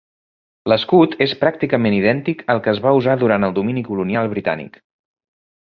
L'escut és pràcticament idèntic al que es va usar durant el domini colonial britànic.